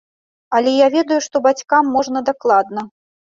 Але я ведаю, што бацькам можна дакладна.